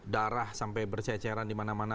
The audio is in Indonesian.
darah sampai berceceran di mana mana